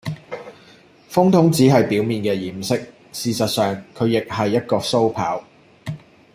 風筒只係表面嘅掩飾，事實上，佢亦係一個鬚刨